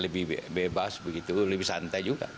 lebih bebas begitu lebih santai juga